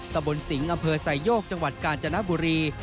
ตะบนสิงห์อำเภอไซโยกจังหวัดกาญจนบุรี